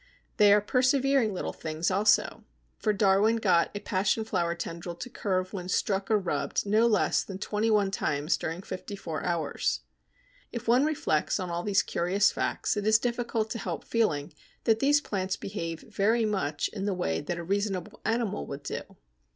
They are persevering little things also, for Darwin got a passion flower tendril to curve when struck or rubbed no less than twenty one times during fifty four hours. If one reflects on all these curious facts, it is difficult to help feeling that these plants behave very much in the way that a reasonable animal would do.